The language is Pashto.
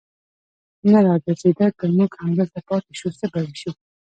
نه را ګرځېده، که موږ همدلته پاتې شو، څه به وشي.